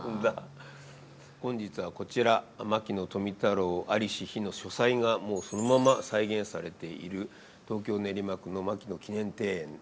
本日はこちら牧野富太郎在りし日の書斎がもうそのまま再現されている東京・練馬区の牧野記念庭園です。